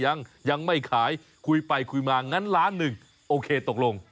๕๐๐๐๐๐อย่างยังไม่ขายคุยไปคุยมางั้นล้าน๑โอเคตกลง